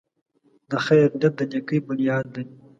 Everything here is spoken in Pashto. د خیر نیت د نېکۍ بنیاد دی.